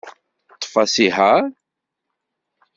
Ḍḍef asihaṛ.